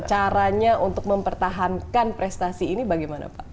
caranya untuk mempertahankan prestasi ini bagaimana pak